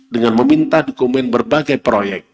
dengan meminta dokumen berbagai proyek